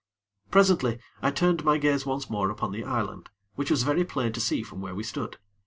Presently, I turned my gaze once more upon the island, which was very plain to see from where we stood.